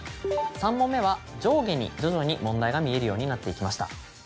３問目は上下に徐々に問題が見えるようになっていきました。